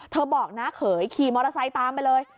บอกน้าเขยขี่มอเตอร์ไซค์ตามไปเลย